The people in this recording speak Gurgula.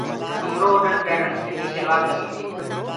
هميرو اوڏڻ پيرڻ سنڌي سلوآر ڪمج هي۔